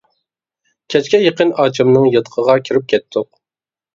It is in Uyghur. كەچكە يېقىن ئاچامنىڭ ياتىقىغا كىرىپ كەتتۇق.